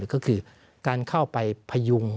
ก็คือการเข้าไปพยุง